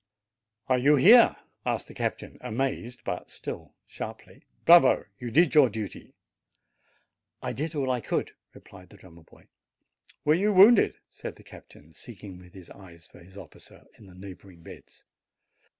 "Are you here?" asked the captain, amazed, but still sharply. "Bravo! You did your duty/' "I did all I could," replied the drummer boy. "Were you wounded?" said the captain, seeking with his eyes for his officer in the neighboring beds.